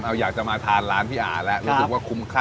เอาอยากจะมาทานร้านพี่อ่าแล้ว